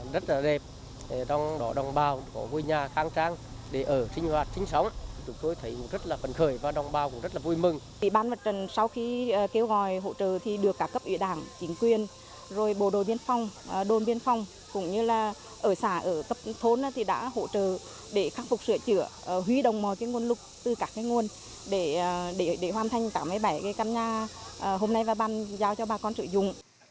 để hoàn thành cả mấy bảy căn nhà hôm nay và ban giao cho bà con sử dụng